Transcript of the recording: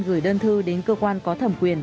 gửi đơn thư đến cơ quan có thẩm quyền